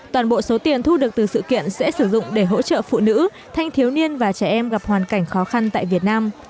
toàn bộ số tiền thu được từ sự kiện sẽ sử dụng để hỗ trợ phụ nữ thanh thiếu niên và trẻ em gặp hoàn cảnh khó khăn tại việt nam